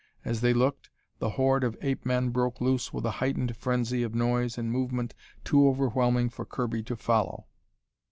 As they looked, the horde of ape men broke loose with a heightened frenzy of noise and movement too overwhelming for Kirby to follow.